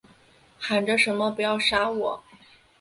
喊着什么不要杀我